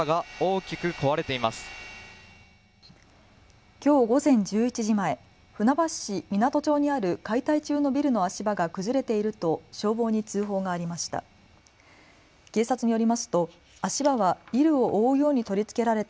きょう午前１１時前、船橋市湊町にある解体中のビルの足場が崩れていると消防に通報がありました。